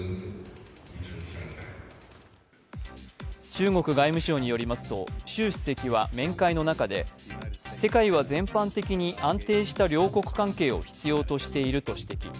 中国外務省によりますと習主席は面会の中で世界は全般的に安定した両国関係を必要としていると指摘。